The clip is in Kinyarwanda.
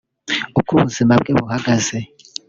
uko ubuzima bwe buhagaze